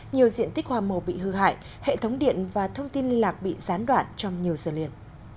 nhiều diện tích hoa màu bị hư hại hệ thống điện và thông tin liên lạc bị gián đoạn trong nhiều giờ liền